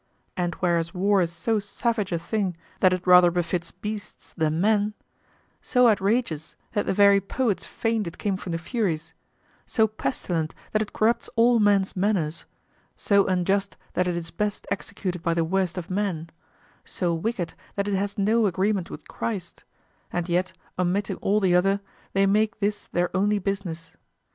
And whereas war is so savage a thing that it rather befits beasts than men, so outrageous that the very poets feigned it came from the Furies, so pestilent that it corrupts all men's manners, so unjust that it is best executed by the worst of men, so wicked that it has no agreement with Christ; and yet, omitting all the other, they make this their only business.